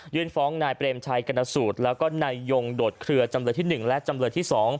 ฟ้องนายเปรมชัยกรณสูตรแล้วก็นายยงโดดเคลือจำเลยที่๑และจำเลยที่๒